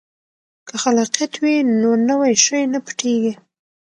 که خلاقیت وي نو نوی شی نه پټیږي.